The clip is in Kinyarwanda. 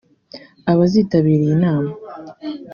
Abazitabira iyi nama